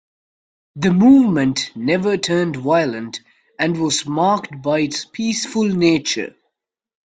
The movement never turned violent and was marked by its peaceful nature.